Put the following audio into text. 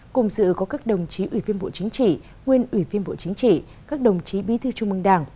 cùng dự có các đồng chí ủy viên bộ chính trị nguyên ủy viên bộ chính trị các đồng chí bí thư trung mương đảng